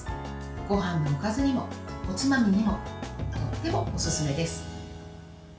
ごはんのおかずにもおつまみにもとってもおすすめです。